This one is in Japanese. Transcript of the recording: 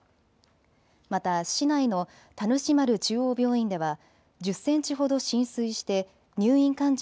また市内の田主丸中央病院では１０センチほど浸水して入院患者